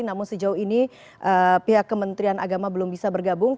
namun sejauh ini pihak kementerian agama belum bisa bergabung